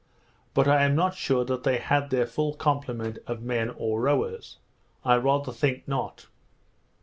But I am not sure that they had their full complement of men or rowers; I rather think not.